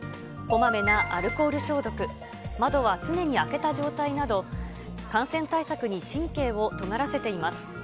こまめなアルコール消毒、窓は常に開けた状態など、感染対策に神経をとがらせています。